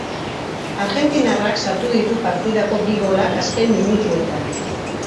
Argentinarrak sartu ditu partidako bi golak azken minutuetan.